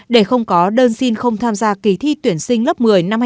để không có đơn xin không tham gia kỳ thi tuyển sinh lớp một mươi